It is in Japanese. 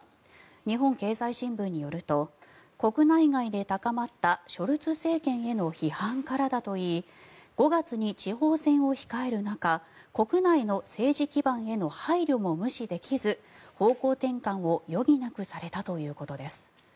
日本経済新聞によると国内外で高まったショルツ政権への批判からだといい５月に地方選を控える中国内の政治基盤への配慮も無視できず、方向転換を余儀なくされたということです。